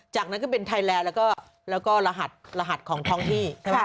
จากนั้นก็เป็นไทแลแล้วก็แล้วก็รหัสรหัสของท้องที่